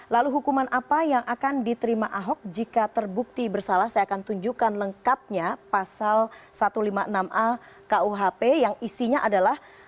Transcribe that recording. lalu hukuman apa yang akan diterima ahok jika terbukti bersalah saya akan tunjukkan lengkapnya pasal satu ratus lima puluh enam a kuhp yang isinya adalah